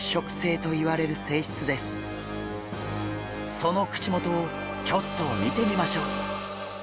その口元をちょっと見てみましょう。